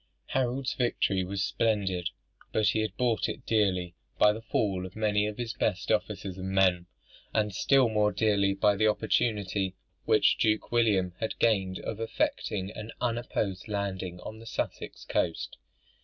Harold's victory was splendid; but he had bought it dearly by the fall of many of his best officers and men; and still more dearly by the opportunity which Duke William had gained of effecting an unopposed landing on the Sussex coast.